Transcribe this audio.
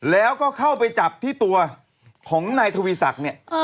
แล้วก็เข้าไปจับที่ตัวของนายทวีศักดิ์เนี่ย